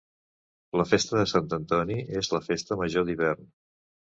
La Festa de Sant Antoni és la Festa Major d'Hivern.